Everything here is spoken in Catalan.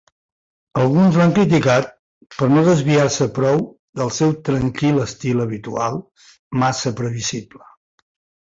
Alguns l'han criticat per no desviar-se prou del seu tranquil estil habitual, massa previsible.